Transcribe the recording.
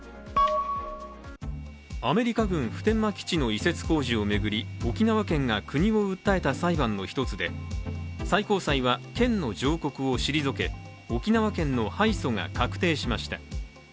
アメリカ軍普天間基地の移設工事を巡り、沖縄県が国を訴えた裁判の１つで最高裁は、県の上告を退け沖縄県の敗訴が確定しました。